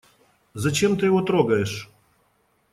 Зачем ты его трогаешь?